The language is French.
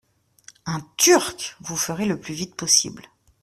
Un Turc ! Vous ferez le plus vite possible.